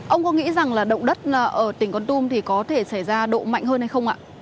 ông có nghĩ rằng là động đất ở tỉnh con tum thì có thể xảy ra độ mạnh hơn hay không ạ